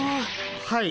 はい。